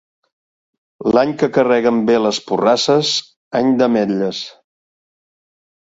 L'any que carreguen bé les porrasses, any d'ametlles.